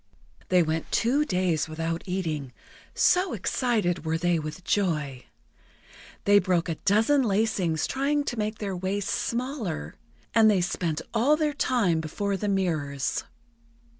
They went two days without eating, so excited were they with joy. They broke a dozen lacings trying to make their waists smaller, and they spent all their time before the mirrors.